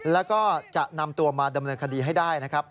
แล้วก็จะนำตัวมาดำเนินคดีให้ได้นะครับ